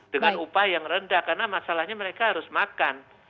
dengan upah yang rendah karena masalahnya mereka harus makan